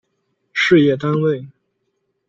事业单位